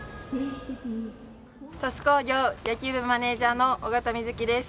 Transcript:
鳥栖工業野球部マネージャーの緒方美月です。